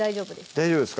大丈夫ですか？